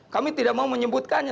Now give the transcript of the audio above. kami tidak mau menyebutkannya